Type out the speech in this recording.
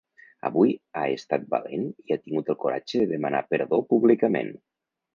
Avui ha estat valent i ha tingut el coratge de demanar perdó públicament.